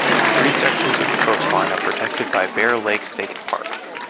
Three sections of the coastline are protected by Bear Lake State Park.